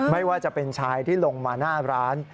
ไม่ว่าจะเป็นชายที่ลงมาหน้าร้าน